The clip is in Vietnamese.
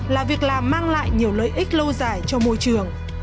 là việc làm mang lại nhiều lợi ích lâu dài cho môi trường